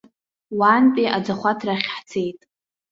Уантәи аӡахәаҭрахь ҳцеит.